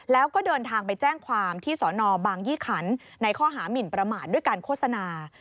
แล้วก็เดินทางไปแจ้งความที่สอนอบางยี่ขันในข้อหามินประมาทด้วยการโฆษณา